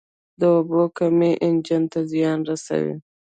د اوبو کمی انجن ته زیان رسوي.